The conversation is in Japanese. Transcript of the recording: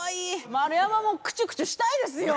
丸山もクチュクチュしたいですよ